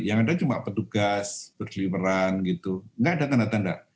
yang ada cuma petugas bergeli geli peran gitu enggak ada tanda tanda